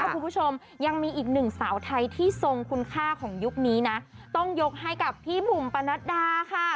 คุณผู้ชมยังมีอีกหนึ่งสาวไทยที่ทรงคุณค่าของยุคนี้นะต้องยกให้กับพี่บุ๋มปนัดดาค่ะ